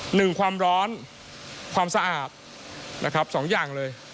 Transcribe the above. หนึ่งความร้อนความสะอาดนะครับสองอย่างเลย